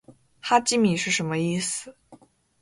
哈基米是什么意思？